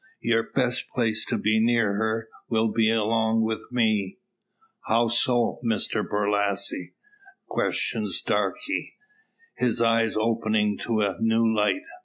Your best place, to be near her, will be along with me." "How so, Mr Borlasse?" questions Darke, his eyes opening to a new light.